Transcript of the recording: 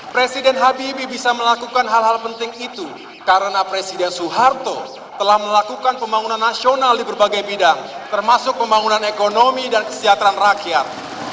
presiden habibie bisa melakukan hal hal penting itu karena presiden soeharto telah melakukan pembangunan nasional di berbagai bidang termasuk pembangunan ekonomi dan kesejahteraan rakyat